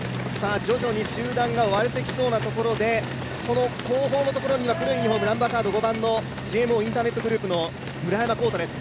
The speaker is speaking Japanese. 徐々に集団が割れてきそうなところで後方のところには５番のＧＭＯインターネットグループの村山紘太です。